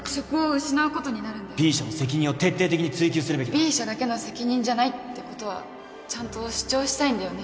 Ｂ 社だけの責任じゃないってことはちゃんと主張したいんだよね